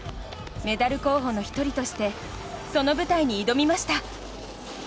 メダル候補の１人としてその舞台に挑みました。